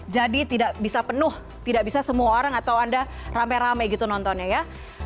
jadi tidak bisa penuh tidak bisa semua orang atau anda rame rame gitu nontonnya ya